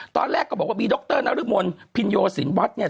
ตอนแรกเขาบอกว่ามีดรนรมลฮลพิโยศิลป์วัตเนี่ย